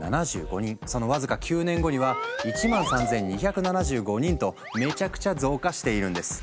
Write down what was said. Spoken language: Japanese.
その僅か９年後には１３，２７５人とめちゃくちゃ増加しているんです。